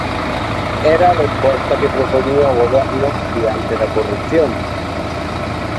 Era a resposta que propoñía o Goberno diante da corrupción.